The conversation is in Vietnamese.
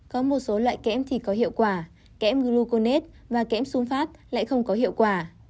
có một số loại kém thì có hiệu quả kém gluconate và kém sunfat lại không có hiệu quả